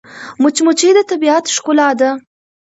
مچمچۍ د طبیعت ښکلا ده